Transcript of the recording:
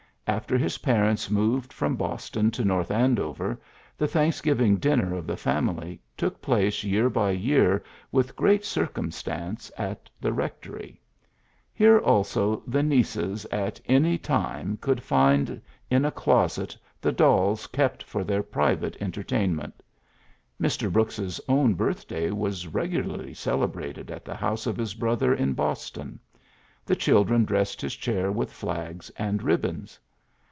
After his parents moved from Boston to North Andover, the Thanksgiving dinner of the family took place year by year with great circumstance at the Rectory. Here also the nieces at any time could find in a closet the dolls kept for their private entertainment. Mr. Brooks's own birth day was regularly celebrated at the house of his brother in Boston. The children dressed his chair with flags and ribbons.